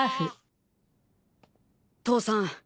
父さん。